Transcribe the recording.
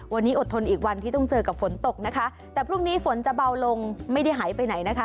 วันนี้อดทนอีกวันที่ต้องเจอกับฝนตกนะคะแต่พรุ่งนี้ฝนจะเบาลงไม่ได้หายไปไหนนะคะ